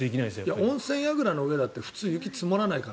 温泉やぐらの上だって普通、雪積もらないから。